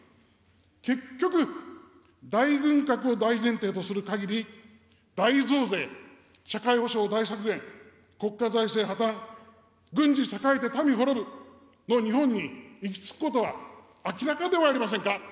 結局、大軍拡を大前提とするかぎり、大増税、社会保障大削減、国家財政破綻、軍事栄えて民滅ぶの日本に行き着くことは、明らかではありませんか。